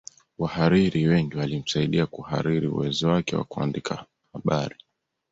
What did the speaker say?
Wahariri wengi walimsaidia kuhariri uwezo wake wa kuandika habari